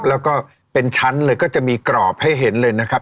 แล้วก็เป็นชั้นเลยก็จะมีกรอบให้เห็นเลยนะครับ